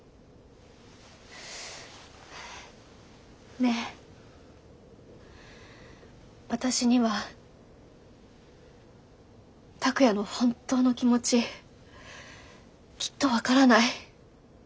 ねえ私には拓哉の本当の気持ちきっと分からない。